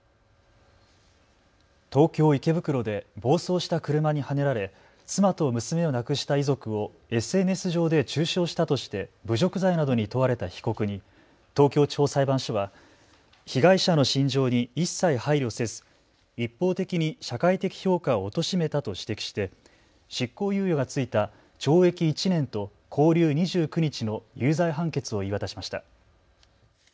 東京池袋で暴走した車にはねられ妻と娘を亡くした遺族をＳＮＳ上で中傷したとして侮辱罪などに問われた被告に東京地方裁判所は被害者の心情に一切配慮せず一方的に社会的評価をおとしめたと指摘して執行猶予が付いた懲役１年と拘留２９日の有罪判決を言い渡しました。